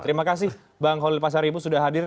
terima kasih bang holil pasar ibu sudah hadir